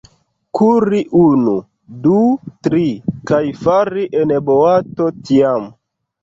Kuri unu, du, tri, kaj fari en boato tiam.